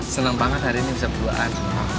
seneng banget hari ini bisa berduaan